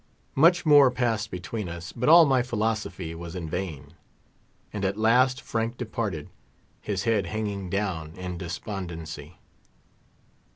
Much more passed between us, but all my philosophy was in vain, and at last Frank departed, his head hanging down in despondency.